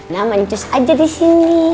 nah mancus aja disini